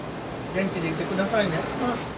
元気でいてくださいね。